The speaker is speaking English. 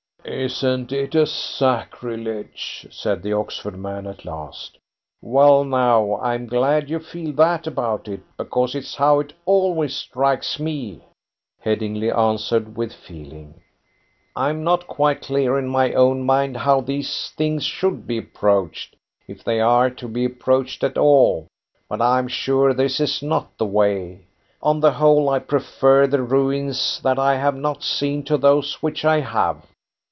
"Isn't it a sacrilege?" said the Oxford man at last. "Well, now, I'm glad you feel that about it, because it's how it always strikes me," Headingly answered with feeling. "I'm not quite clear in my own mind how these things should be approached if they are to be approached at all but I am sure this is not the way. On the whole, I prefer the ruins that I have not seen to those which I have."